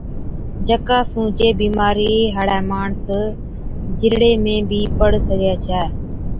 جڪا سُون جي بِيمارِي هاڙَي ماڻس جِرڙي ۾ بِي پَڙ سِگھَي ڇَي۔